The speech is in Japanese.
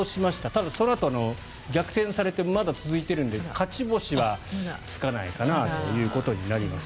ただ、そのあと逆転されてまだ続いてるので勝ち星はつかないかなということになります。